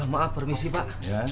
maaf permisi pak